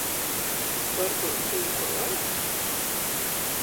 Varbyut tevi palaist?